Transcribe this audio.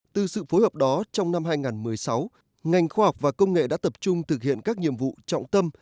từ sự phối hợp đó trong năm hai nghìn một mươi sáu ngành khoa học và công nghệ đã tập trung thực hiện các nhiệm vụ trọng tâm